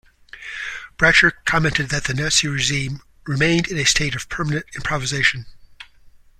Bracher commented that the Nazi regime "remained in a state of permanent improvisation".